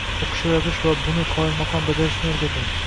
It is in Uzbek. O‘qish va yozish va buni qoyilmaqom bajarish o'rgating.